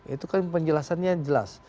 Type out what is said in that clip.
itu kan penjelasannya jelas